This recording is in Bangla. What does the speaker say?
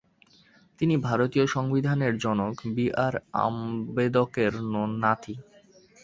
তিনি ভারতীয় সংবিধানের জনক বি আর আম্বেদকের নাতি।